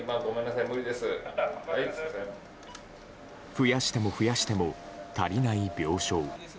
増やしても増やしても足りない病床。